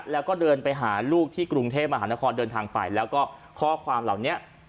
แล้วก็เดินไปหาลูกที่กรุงเทพมหานครเดินทางไปแล้วก็ข้อความเหล่านี้